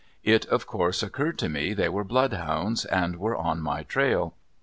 It, of course, occurred to me they were blood hounds, and were on my trail.